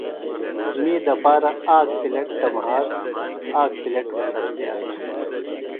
می دپارہ آک پِلیٹ تہ مھاس، آک پِلیٹ بہ سبزیۡ اٹہ۔